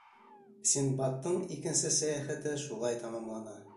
Синдбадтың икенсе сәйәхәте шулай тамамлана.